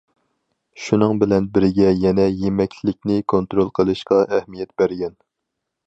شۇنىڭ بىلەن بىرگە يەنە يېمەكلىكنى كونترول قىلىشقا ئەھمىيەت بەرگەن.